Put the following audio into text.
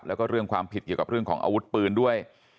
แล้วก็เรื่องความผิดเกี่ยวกับเรื่องของอาวุธปืนด้วย